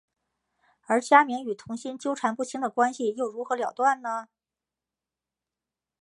而家明与童昕纠缠不清的关系又如何了断呢？